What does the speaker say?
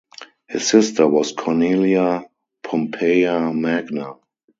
His sister was Cornelia Pompeia Magna.